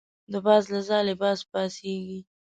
د باز له ځالې باز پاڅېږي.